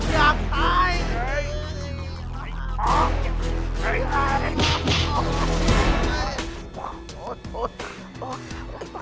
อย่ามาห้ามกัว